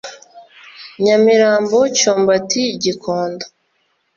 Nyamirambo-Cyumbati-Gikondo